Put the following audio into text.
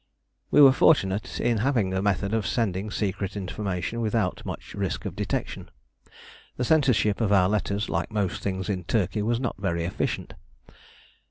We were fortunate in having a method of sending secret information without much risk of detection. The censorship of our letters, like most things in Turkey, was not very efficient.